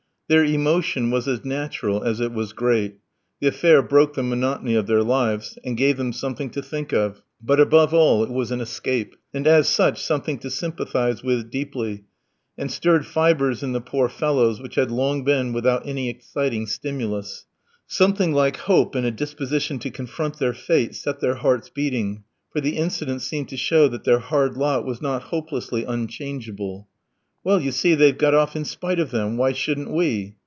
Their emotion was as natural as it was great. The affair broke the monotony of their lives, and gave them something to think of; but, above all, it was an escape, and as such, something to sympathise with deeply, and stirred fibres in the poor fellows which had long been without any exciting stimulus; something like hope and a disposition to confront their fate set their hearts beating, for the incident seemed to show that their hard lot was not hopelessly unchangeable. "Well, you see they've got off in spite of them! Why shouldn't we?"